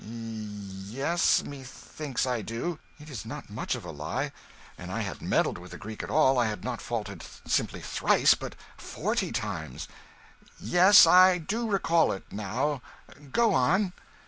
"Y e s methinks I do. (It is not much of a lie an' I had meddled with the Greek at all, I had not faulted simply thrice, but forty times.) Yes, I do recall it, now go on."